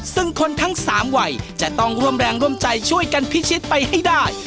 ซึ่งคนทั้ง๓วัยจะต้องร่วมแรงร่วมใจช่วยกันพิชิตไปให้ได้